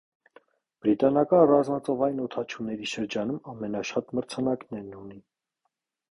Բրիտանական ռազմածովային օդաչուների շրջանում ամենաշատ մրցանակներն ունի։